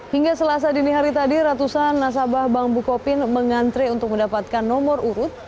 hingga selasa dini hari tadi ratusan nasabah bank bukopin mengantre untuk mendapatkan nomor urut